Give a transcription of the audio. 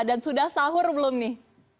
dan sudah sahur belum nih